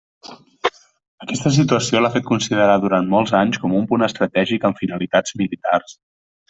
Aquesta situació l'ha fet considerar durant molts anys com un punt estratègic amb finalitats militars.